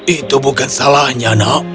itu bukan salahnya nak